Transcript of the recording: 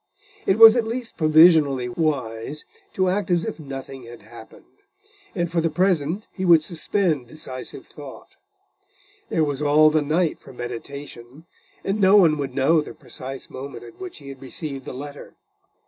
It was at least provisionally wise to act as if nothing had happened, and for the present he would suspend decisive thought; there was all the night for meditation, and no one would know the precise moment at which he had received the letter.